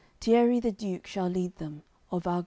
Tierris the Duke shall lead them, of Argoune.